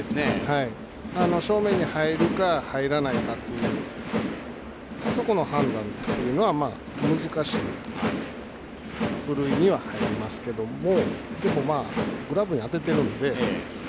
正面に入るか、入らないかのあそこの判断というのは難しい部類には入りますけどでも、グラブに当てているので。